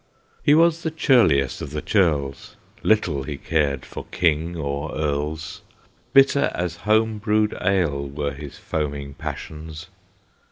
He was the churliest of the churls; Little he cared for king or earls; Bitter as home brewed ale were his foaming passions.